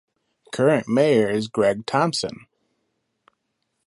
Current mayor is Greg Thompson.